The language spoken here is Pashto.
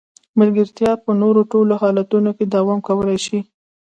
ملګرتیا په نورو ټولو حالتونو کې دوام کولای شي.